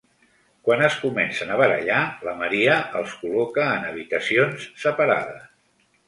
Quan es comencen a barallar, la Maria els col·loca en habitacions separades.